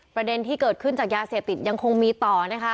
ประเด็นที่เกิดขึ้นจากยาเสพติดยังคงมีต่อนะคะ